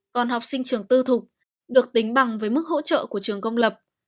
còn học sinh trường tư thục được tính bằng với mức hỗ trợ của trường công lập